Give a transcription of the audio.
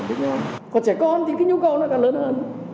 còn trẻ con thì cái nhu cầu nó càng lớn hơn